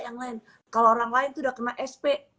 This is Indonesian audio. lawan kalau orang lain sudah kena es